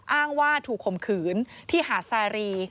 อ้างว่าถูกข่มขืนที่หาดซารี